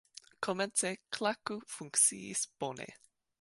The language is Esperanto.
Komence, Klaku funkciis bone.